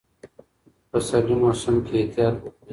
د پسرلي موسم کې احتیاط وکړئ.